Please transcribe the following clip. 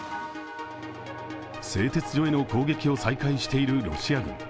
製鉄所への攻撃を再開しているロシア軍。